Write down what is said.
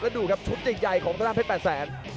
แล้วดูครับชุดใหญ่ของทะด้านเพชรแปดแสน